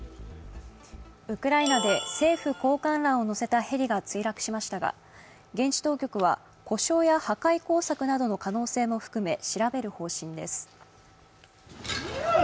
ウクライナで政府高官らを乗せたヘリが墜落しましたが現地当局は故障や破壊工作などの可能性も含め、調べる方針です。